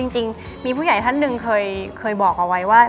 จริงมีผู้ใหญ่ท่านหนึ่งเคยบอกเอาไว้ว่า